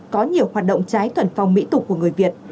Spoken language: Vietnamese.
có nhiều hoạt động trái thuần phong mỹ tục của người việt